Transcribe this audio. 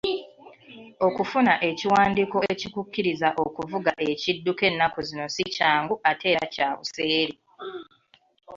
Okufuna ekiwandiiko ekikukkiriza okuvuga ekidduka ennaku zino ssi kyangu ate era kya buseere.